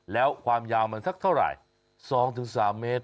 แล้วความยาวมันสักเท่าไหร่๒๓เมตร